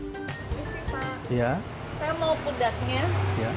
ini sih pak saya mau pundaknya